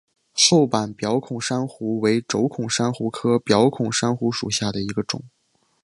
厚板表孔珊瑚为轴孔珊瑚科表孔珊瑚属下的一个种。